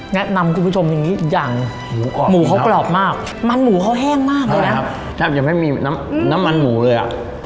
แนะนำทุกผู้ชมตรงนี้อย่างหมูเค้ากรอบมากมันหมูเค้าแห้งมากเลยนะ